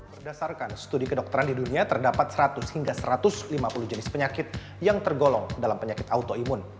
berdasarkan studi kedokteran di dunia terdapat seratus hingga satu ratus lima puluh jenis penyakit yang tergolong dalam penyakit autoimun